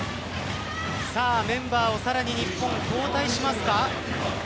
メンバーをさらに日本、交代しますか？